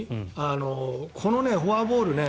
このフォアボール